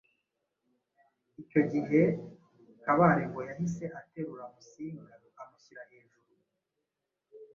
Icyo gihe Kabare ngo yahise aterura Musinga amushyira hejuru,